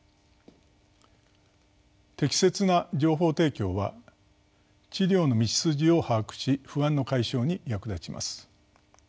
適切な情報提供は治療の道筋を把握し不安の解消に役立ちます。